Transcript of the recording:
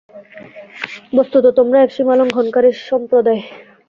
বস্তুত তোমরা এক সীমালংঘনকারী সম্প্রদায়।